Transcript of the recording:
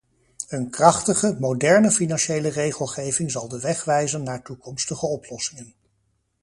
Een krachtige, moderne financiële regelgeving zal de weg wijzen naar toekomstige oplossingen.